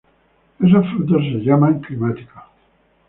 Esos frutos son llamados climáticos.